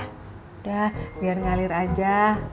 udah biar ngalir aja